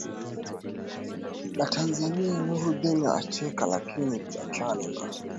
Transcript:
la tanzania nurdin unacheka lakini tuachane na